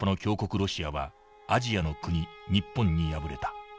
ロシアはアジアの国日本に敗れた。